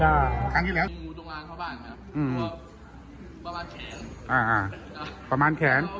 อ่าก็นี่แล้วหงูตรงลานเขาบ้านครับอืมประมาณอ่าประมาณแขน